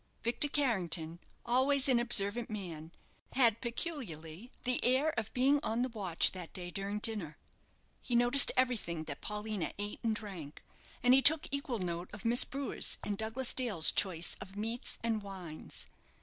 Victor Carrington, always an observant man, had peculiarly the air of being on the watch that day during dinner. He noticed everything that Paulina ate and drank, and he took equal note of Miss Brewer's and Douglas Dale's choice of meats and wines.